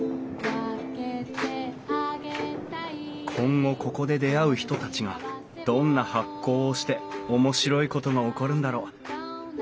今後ここで出会う人たちがどんな発酵をして面白いことが起こるんだろう？